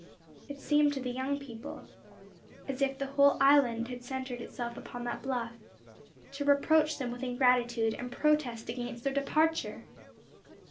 It seemed to the young people as if the whole island had centred itself upon that bluff, to reproach them with ingratitude, and protest against their departure.